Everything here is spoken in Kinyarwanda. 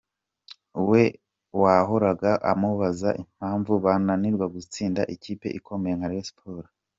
we wahoraga amubaza impamvu bananirwa gutsinda ikipe ikomeye nka Rayon Sports